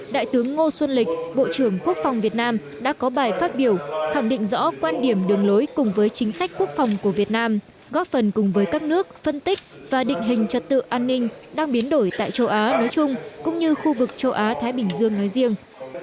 đại tướng ngô xuân lịch bộ trưởng quốc phòng việt nam đã có bài phát biểu khẳng định rõ quan điểm đường lối cùng với chính sách quốc phòng của việt nam góp phần cùng với các nước phân tích và định hình trật tự an ninh đang biến đổi tại châu á nói chung cũng như khu vực châu á thái bình dương nói riêng